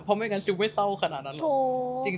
เพราะไม่งั้นซุปไม่เศร้าขนาดนั้นหรอก